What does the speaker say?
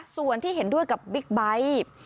ส่วนที่เห็นด้วยกับบิ๊กไบท์